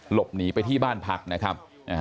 หลบหนีไปที่บ้านพักนะครับ